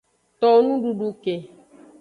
Towo nududu ke.